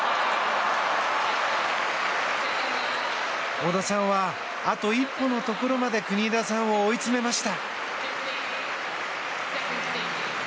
小田さんはあと一歩のところまで国枝さんを追い詰めました。